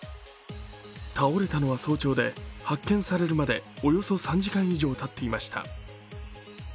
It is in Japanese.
倒れたのは早朝で、発見されるまでおよそ３時間以上たっていました。